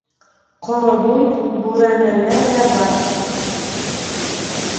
Ҡоро буй бүрәнәлә лә бар.